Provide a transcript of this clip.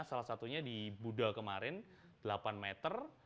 salah satunya di buddha kemarin delapan meter